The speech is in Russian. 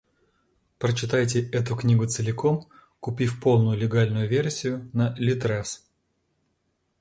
Прочитайте эту книгу целиком, купив полную легальную версию на ЛитРес.